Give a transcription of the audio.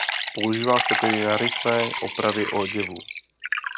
Používá se tedy na rychlé opravy oděvů.